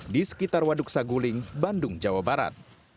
di sekitar waduk saguling bandung jawa barat